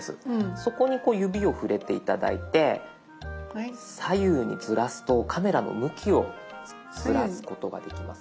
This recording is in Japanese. そこに指を触れて頂いて左右にずらすとカメラの向きをずらすことができます。